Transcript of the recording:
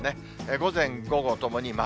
午前、午後ともに〇。